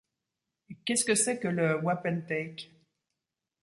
Qu’est-ce que c’est que le wapentake ?